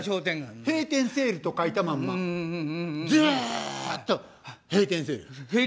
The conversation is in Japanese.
閉店セールと書いたまんまずっと閉店セール。